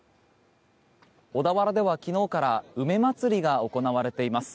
小田原では昨日から梅まつりが行われています。